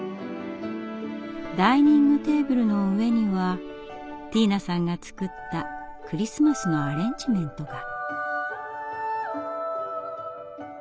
ダイニングテーブルの上にはティーナさんが作ったクリスマスのアレンジメントが。